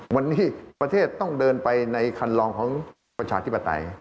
วันนี้ประเทศต้องเดินไปในคันลองของประชาธิปไตย